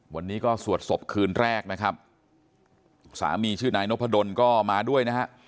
วันนี้ก็สวดศพคืนแรกนะครับสามีชื่อนายนพดลก็มาด้วยนะฮะ